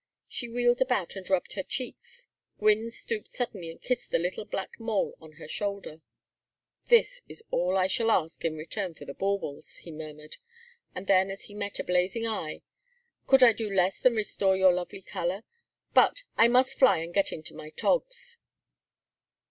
She wheeled about and rubbed her cheeks. Gwynne stooped suddenly and kissed the little black mole on her shoulder. "This is all I ask in return for the baubles," he murmured; and then as he met a blazing eye: "Could I do less than restore your lovely color? But I must fly and get into my togs."